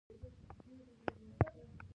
د ورزش وروسته اوبه څښل مهم دي